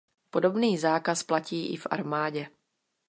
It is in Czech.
Podobný zákaz platí i v armádě.